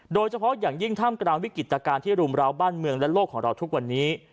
โดยเฉพาะอย่างยิ่งท่ามกลางวิกฤตการณ์ที่รุมราวบ้านเมืองและโลกของเราทุกวันนี้